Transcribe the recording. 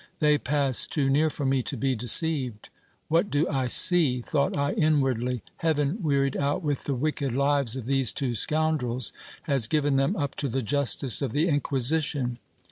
They passed too near for me to be deceived. What do I see? thought I inwardly: heaven, wearied out with the wicked lives of these two scoundrels, has given them up to the justice of the Inquisition